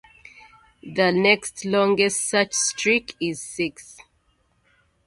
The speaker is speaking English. The next longest such streak is six.